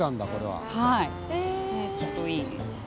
はい。